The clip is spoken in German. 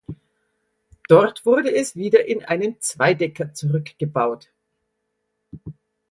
Dort wurde es wieder in einen Zweidecker zurückgebaut.